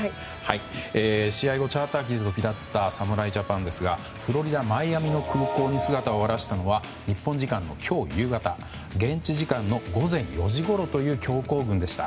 試合後、チャーター機で飛びだった侍ジャパンですがフロリダマイアミの空港に姿を現したのは日本時間の今日夕方現地時間の午前４時ごろという強行軍でした。